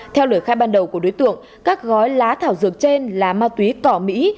theo lời khai ban đầu của đối tượng các gói lá thảo dược trên là ma túy cỏ mỹ